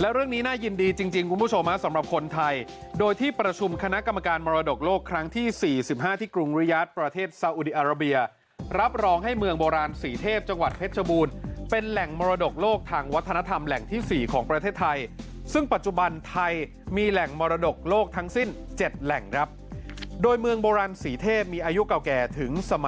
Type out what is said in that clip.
แล้วเรื่องนี้น่ายินดีจริงคุณผู้ชมสำหรับคนไทยโดยที่ประชุมคณะกรรมการมรดกโลกครั้งที่๔๕ที่กรุงริยาชประเทศสาวุดีอาราเบียรับรองให้เมืองโบราณสีเทพจังหวัดเพชรชบูรณ์เป็นแหล่งมรดกโลกทางวัฒนธรรมแหล่งที่๔ของประเทศไทยซึ่งปัจจุบันไทยมีแหล่งมรดกโลกทั้งสิ้น